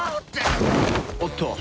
おっと。